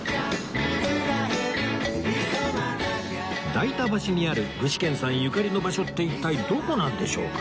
代田橋にある具志堅さんゆかりの場所って一体どこなんでしょうか？